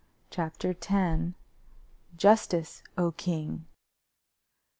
CHAPTER X _Justice, O King!